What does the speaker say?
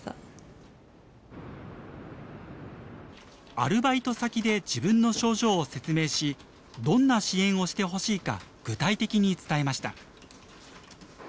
アルバイト先で自分の症状を説明しどんな支援をしてほしいか具体的に伝えました。